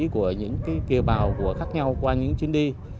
của những kỳ bào của khác nhau qua những chuyến đi